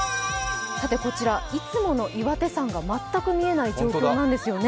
こちら、いつもの岩手山が全く見えない状況なんですね。